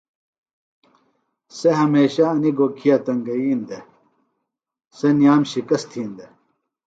سےۡ ہمیشہ انیۡ گوکھِیہ تنگئین دےۡ سےۡ نِیام شِکست تِھین دےۡ